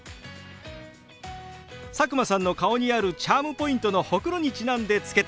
佐久間さんの顔にあるチャームポイントのホクロにちなんで付けてみたんですよ。